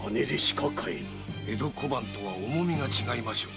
江戸小判とは重みが違いましょう？